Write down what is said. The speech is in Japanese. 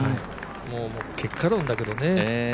結果論だけどね。